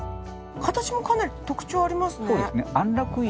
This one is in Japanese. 形もかなり特徴ありますね。